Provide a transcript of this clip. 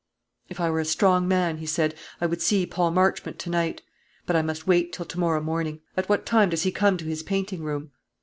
"If I were a strong man," he said, "I would see Paul Marchmont to night. But I must wait till to morrow morning. At what time does he come to his painting room?"'